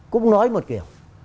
cũng nói một kiểu